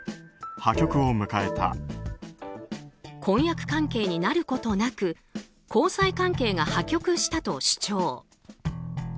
婚約関係になることなく交際関係が破局したと主張。